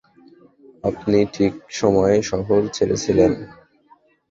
আপনি ঠিক সময়ে শহর ছেড়েছিলেন।